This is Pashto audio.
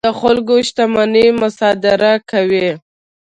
د خلکو شتمنۍ مصادره کوي.